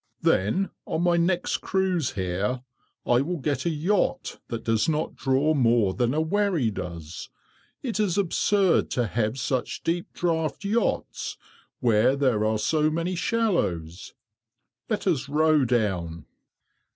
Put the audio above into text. "Then, on my next cruise here, I will get a yacht that does not draw more than a wherry does. It is absurd to have such deep draught yachts where there are so many shallows. Let us row down."